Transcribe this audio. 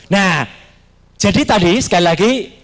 nah jadi tadi sekali lagi